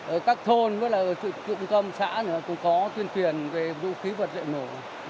ở các thôn cũng là ở trụ trụng tâm xã cũng có tuyên truyền về vũ khí vật lệ nộp